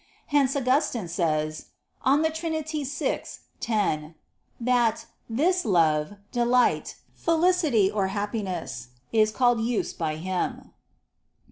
Hence Augustine says (De Trin. vi, 10) that "this love, delight, felicity, or happiness, is called use by him."